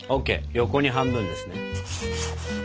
横に半分ですね。